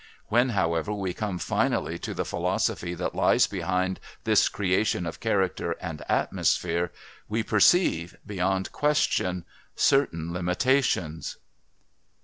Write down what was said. When, however, we come finally to the philosophy that lies behind this creation of character and atmosphere we perceive, beyond question, certain limitations.